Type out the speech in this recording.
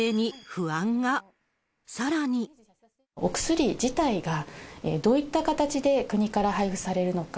お薬自体が、どういった形で国から配布されるのか。